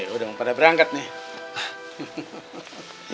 udah pada berangkat nih